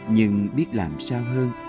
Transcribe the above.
nhưng biết làm sao hơn